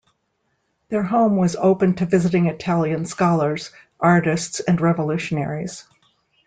Their home was open to visiting Italian scholars, artists and revolutionaries.